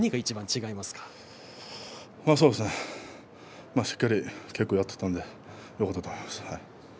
しっかり稽古をやっていたのでよかったと思います。